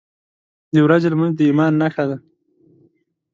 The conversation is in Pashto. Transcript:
• د ورځې لمونځ د ایمان نښه ده.